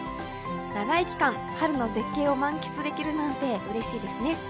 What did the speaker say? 長い期間、春の絶景を満喫できるなんて、うれしいですね。